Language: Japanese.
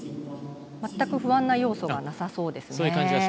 全く不安な要素がなさそうです。